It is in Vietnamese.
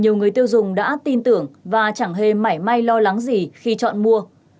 nhiều người tiêu dùng đã tin tưởng và chẳng hề may lo lắng gì khi chọn mua